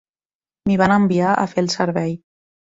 M'hi van enviar a fer el servei.